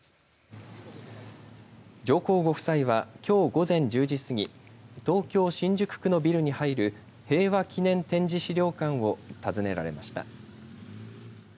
上皇ご夫妻はきょう午前１０時過ぎ東京新宿区のビルに入る平和祈念展示資料館を訪ねられました。